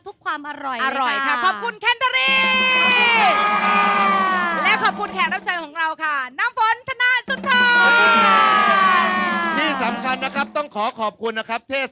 ถ้ามีลูกชิ้นปลากายหน่อยนะแก